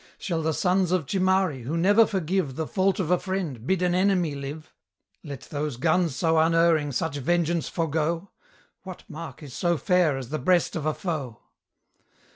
Shall the sons of Chimari, who never forgive The fault of a friend, bid an enemy live? Let those guns so unerring such vengeance forego? What mark is so fair as the breast of a foe?